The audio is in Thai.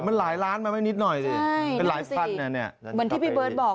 มันหลายร้านมาไปนิดหน่อยสิเป็นหลายฟันนะนี่จับไปเลือกเหยือเด็กนักเรียนอีกครับพี่เบิ้ลบอก